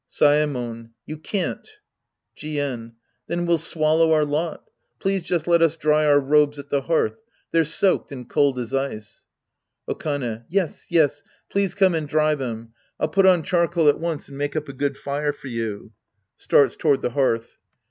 Saemon. You can't. Jien. Then we'll swallow our lot. Please just let us dry our robes at the hearth. They're soaked and cold as ice. Okane. Yes, yes, please come and dry them. I'll put on charcoal at once and make up a good fire for you. {Starts toward the hearth.')